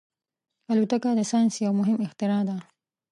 الوتکه د ساینس یو مهم اختراع ده.